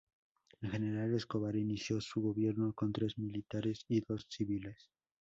El General Escobar inició su gobierno con tres militares y dos civiles.